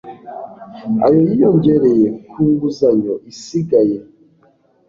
ayo yiyongereye ku inguzanyo isigaye